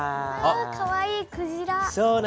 かわいいクジラ。